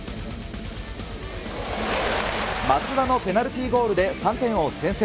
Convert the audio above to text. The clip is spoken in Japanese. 松田のペナルティーゴールで３点を先制。